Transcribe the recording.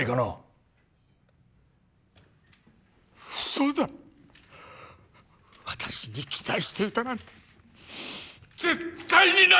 うそだ私に期待していたなんて絶対にない！